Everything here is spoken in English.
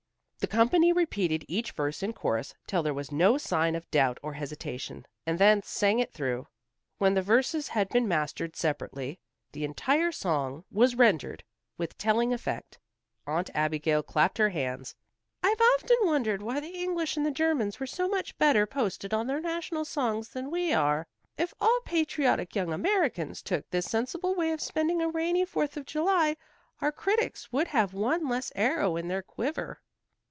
The company repeated each verse in chorus till there was no sign of doubt or hesitation, and then sang it through. When the verses had been mastered separately, the entire song was rendered with telling effect. Aunt Abigail clapped her hands. "I've often wondered why the English and the Germans were so much better posted on their national songs than we are. If all patriotic young Americans took this sensible way of spending a rainy Fourth of July, our critics would have one less arrow in their quiver."